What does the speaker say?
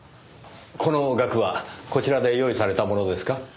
この額はこちらで用意されたものですか？